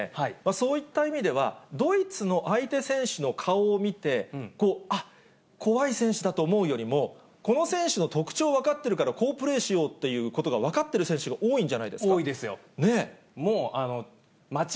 そういった意味では、ドイツの相手選手の顔を見て、あっ、怖い選手だと思うよりも、この選手の特徴を分かってるからこうプレーしようということが分かってる選手が多いんじゃないですか？